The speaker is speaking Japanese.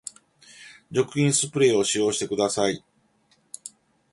除菌スプレーを使用してください